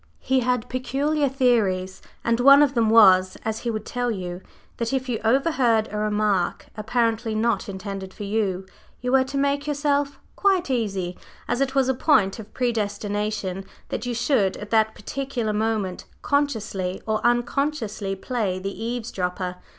He had peculiar theories, and one of them was, as he would tell you, that if you overheard a remark apparently not intended for you, you were to make yourself quite easy, as it was "a point of predestination" that you should at that particular moment, consciously or unconsciously, play the eavesdropper.